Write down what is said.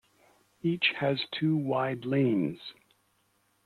Each has two wide lanes.